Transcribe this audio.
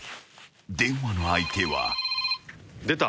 ［電話の相手は］出た。